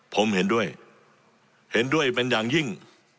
ผมเห็นด้วยเห็นด้วยเป็นอย่างยิ่ง